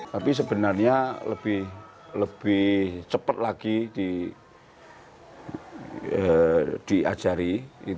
tapi sebenarnya lebih cepat lagi diajari